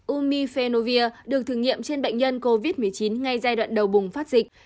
umifelovir được thử nghiệm trên bệnh nhân covid một mươi chín ngay giai đoạn đầu bùng phát dịch